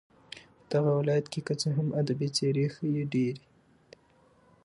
په دغه ولايت كې كه څه هم ادبي څېرې ښې ډېرې